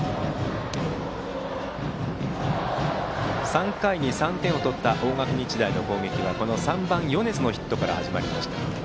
３回に３点を取った大垣日大高校の攻撃は３番、米津のヒットから始まりました。